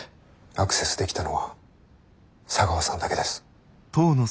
アクセスできたのは茶川さんだけです。